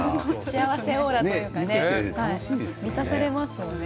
幸せオーラというかね満たされますよね。